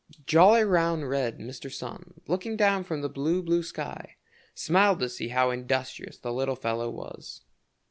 Jolly, round, red Mr. Sun, looking down from the blue, blue sky, smiled to see how industrious the little fellow was.